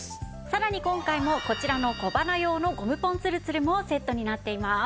さらに今回もこちらの小鼻用のゴムポンつるつるもセットになっています。